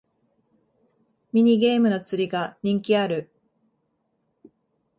ミニゲームの釣りが人気ある